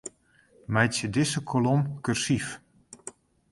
Meitsje dizze kolom kursyf.